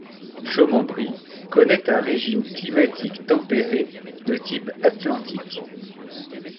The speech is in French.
Chaumes-en-Brie connaît un régime climatique tempéré de type atlantique.